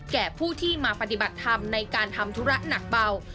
แก่ผู้ที่มาปฏิบัติธรรมในการทำธุระหนักเบา